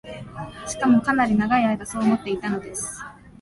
しかも、かなり永い間そう思っていたのです